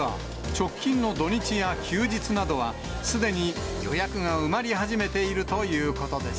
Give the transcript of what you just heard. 直近の土日や休日などは、すでに予約が埋まり始めているということです。